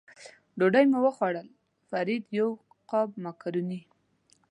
ډوډۍ مو وخوړل، فرید یو غاب مکروني.